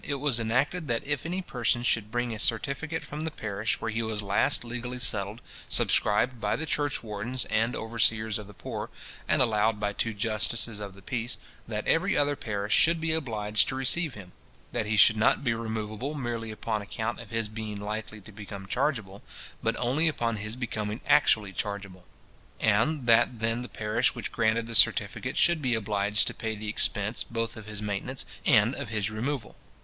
it was enacted that if any person should bring a certificate from the parish where he was last legally settled, subscribed by the church wardens and overseers of the poor, and allowed by two justices of the peace, that every other parish should be obliged to receive him; that he should not be removable merely upon account of his being likely to become chargeable, but only upon his becoming actually chargeable; and that then the parish which granted the certificate should be obliged to pay the expense both of his maintenance and of his removal.